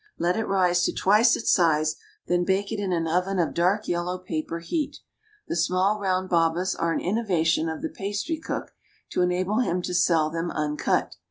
Let it rise to twice its size, then bake it in an oven of dark yellow paper heat; the small round babas are an innovation of the pastry cook to enable him to sell them uncut.